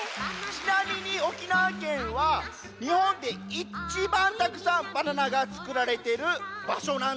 ちなみに沖縄県はにほんでいちばんたくさんバナナがつくられているばしょなんですよ。